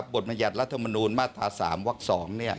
บทมญัติรัฐมนูลมาตราสามวัคต์สองเนี่ย